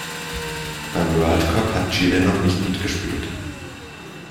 Beim World Cup hat Chile noch nicht mitgespielt.